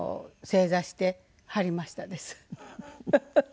フフフフ！